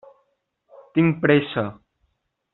Tinc pressa.